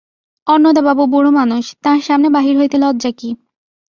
অন্নদাবাবু বুড়োমানুষ, তাঁর সামনে বাহির হইতে লজ্জা কী?